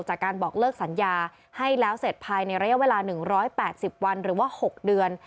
จากการบอกเลิกสัญญาให้แล้วเสร็จภายในระยะเวลา๑๘๐วันหรือว่า๖เดือน